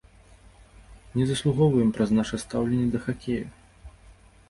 Не заслугоўваем праз наша стаўленне да хакею.